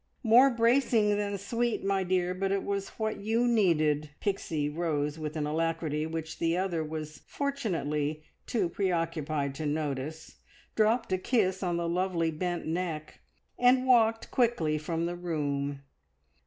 "More bracing than sweet, my dear; but it was what you needed!" Pixie rose with an alacrity which the other was, fortunately, too preoccupied to notice, dropped a kiss on the lovely bent neck, and walked quickly from the room.